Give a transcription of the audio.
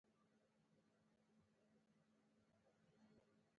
هو، ټول ښه وو،